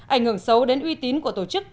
ảnh hưởng xấu đến uy tín của tổ chức